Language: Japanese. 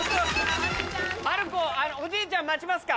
まる子おじいちゃん待ちますか？